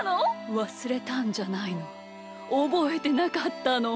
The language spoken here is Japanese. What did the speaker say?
わすれたんじゃないのおぼえてなかったの！